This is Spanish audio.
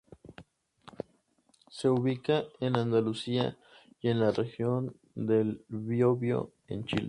Se ubica en Andalucia y en la Región del Biobío en Chile.